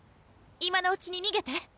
今のうちににげて！